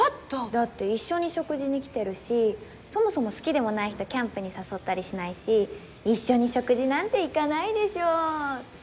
だって一緒に食事に来てるしそもそも好きでもない人キャンプに誘ったりしないし一緒に食事なんて行かないでしょ？